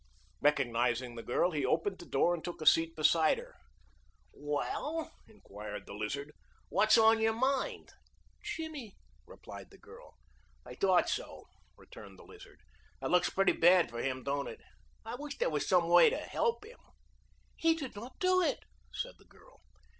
Recognizing the girl he opened the door and took a seat beside her. "Well," inquired the Lizard, "What's on your mind?" "Jimmy," replied the girl. "I thought so," returned the Lizard. "It looks pretty bad for him, don't it? I wish there was some way to help him." "He did not do it," said the girl.